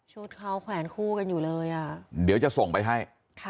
ชุดเขาแขวนคู่กันอยู่เลยอ่ะเดี๋ยวจะส่งไปให้